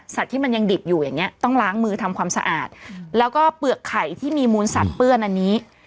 ที่มันยังดิบอยู่อย่างเงี้ต้องล้างมือทำความสะอาดแล้วก็เปลือกไข่ที่มีมูลสัตว์เปื้อนอันนี้